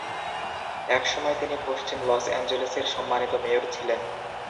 এক সময় তিনি পশ্চিম লস অ্যাঞ্জেলেসের সম্মানিত মেয়র ছিলেন।